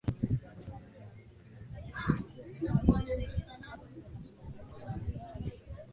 hata kusababisha chuki na mapigano kati ya jeshi na wananchi